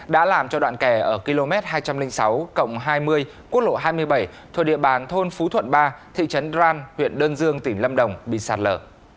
đã làm cho đoạn kè ở km hai trăm linh sáu hai mươi quốc lộ hai mươi bảy thuộc địa bàn thôn phú thuận ba thị trấn đoan huyện đơn dương tỉnh lâm đồng bị sạt lở